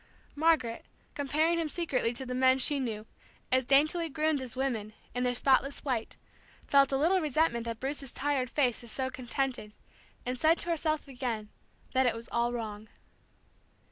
Margaret, comparing him secretly to the men she knew, as daintily groomed as women, in their spotless white, felt a little resentment that Bruce's tired face was so contented, and said to herself again that it was all wrong.